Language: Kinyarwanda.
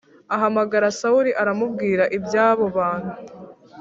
ahamagara Sawuli amubwira ibyabo bantu